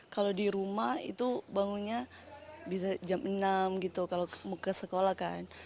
kalau di rumah itu bangunnya bisa jam enam gitu kalau ke sekolah kan